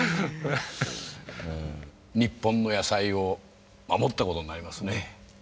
日本の野菜を守ったことになりますね。